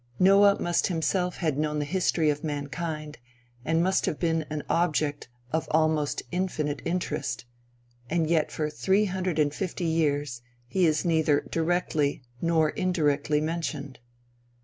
Noah must himself have known the history of mankind, and must have been an object of almost infinite interest; and yet for three hundred and fifty years he is neither directly nor indirectly mentioned.